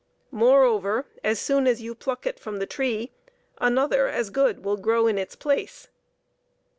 Moreover, as soon as you pluck it from the tree, another as good will grow in its place.